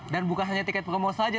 dan bukan hanya tiket promo saja